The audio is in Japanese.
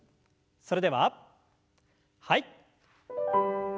それでははい。